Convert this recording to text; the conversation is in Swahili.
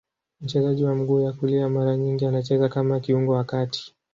Mchezaji wa mguu ya kulia, mara nyingi anacheza kama kiungo wa kati.